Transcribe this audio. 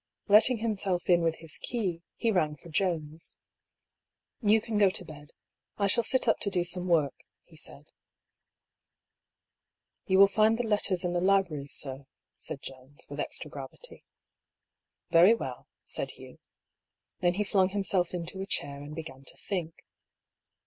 Letting himself in with his key, he rang for Jones. 182 I>K. PAULL'S THEOKY. ^Yon can go to bed. I shall sit up to do some work," he said. " You will find the letters in the library, sir," said Jones, with extra gravity. "Very well," said Hugh. Then he flung himself into a chair, and began to think.